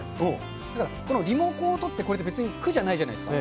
だからリモコンを取って、こうやって別に、苦じゃないじゃないですか。